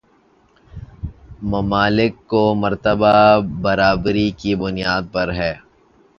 ممالک کو مرتبہ برابری کی بنیاد پر ہے